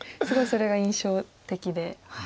すごいそれが印象的で。